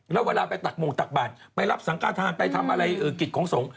แล้วเวลาไปตักโมงตักบาทไปรับสังการไปทำอะไรกิจของสงฆ์